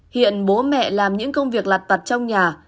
hiện bố mẹ làm những công việc lặt tặt trong nhà